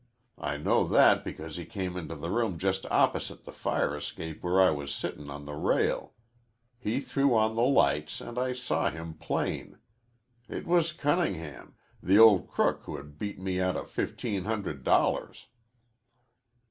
I know that because he came into the room just opposite the fire escape where I was sittin' on the rail. He threw on the lights, an' I saw him plain. It was Cunningham, the old crook who had beat me outa fifteen hundred dollars."